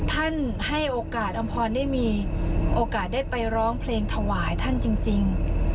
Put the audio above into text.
ให้โอกาสอำพรได้มีโอกาสได้ไปร้องเพลงถวายท่านจริง